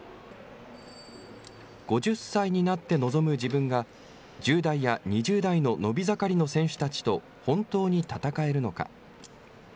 ５０歳になって臨む自分が、１０代や２０代の伸び盛りの選手たちと本当に戦えるのか。